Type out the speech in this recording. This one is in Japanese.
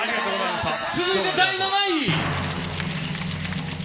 続いて第７位。